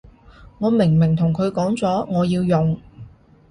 我明明同佢講咗我要用